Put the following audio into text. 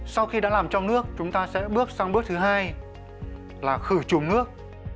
sau khi đã làm trong nước chúng ta sẽ bước sang bước thứ hai là khử trùng nước